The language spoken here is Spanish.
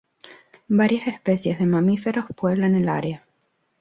Varias especies de mamíferos pueblan el área.